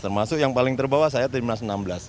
termasuk yang paling terbawa saya timnas enam belas